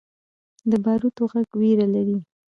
د باروتو غږ ویره لري.